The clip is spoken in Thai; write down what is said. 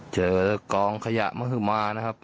เจอกองขยะมหมานะครับ